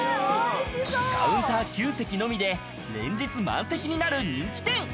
カウンター９席のみで連日満席になる人気店。